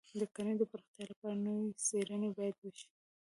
د کرنې د پراختیا لپاره نوې څېړنې باید وشي.